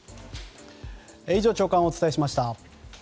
以上、朝刊をお伝えしました。